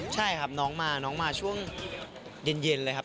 ใช่ครับน้องมาน้องมาช่วงเย็นเลยครับ